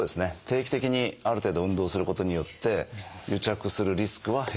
定期的にある程度運動することによって癒着するリスクは減るとは思うんですね。